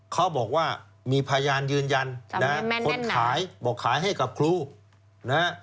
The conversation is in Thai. เขาบอกว่ามีพยานยืนยันนะคนขายบอกขายให้กับครูนะฮะ